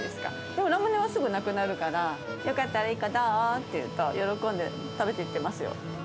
でもラムネはすぐなくなるから、よかったら１個どう？って言うと、喜んで食べていってますよ。